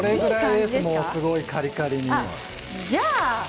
すごいカリカリに。